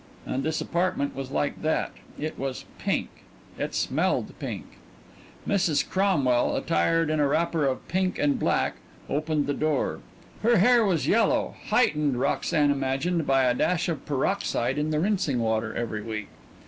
And this apartment was like that. It was pink. It smelled pink! Mrs. Cromwell, attired in a wrapper of pink and black, opened the door. Her hair was yellow, heightened, Roxanne imagined, by a dash of peroxide in the rinsing water every week.